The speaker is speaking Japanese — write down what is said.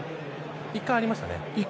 １回ありましたね。